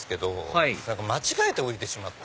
はい間違えて降りてしまって。